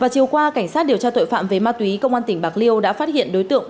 chiều qua cảnh sát điều tra tội phạm về ma túy công an tỉnh bạc liêu đã phát hiện đối tượng